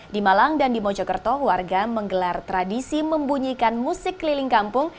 di malang dan di mojokerto warga menggelar tradisi membunyikan musik keliling kampung